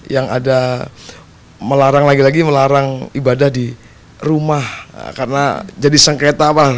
yang ada melarang lagi lagi melarang ibadah di rumah karena jadi sengketawan